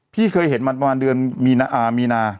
พี่เคยเห็นมาประมาณเดือนมีนามีนา